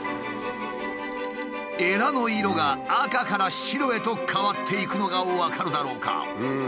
エラの色が赤から白へと変わっていくのが分かるだろうか？